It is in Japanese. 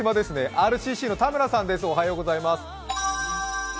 ＲＣＣの田村さんです。